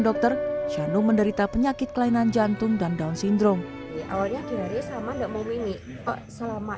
dokter shannum menderita penyakit kelainan jantung dan down sindrom awalnya dari selama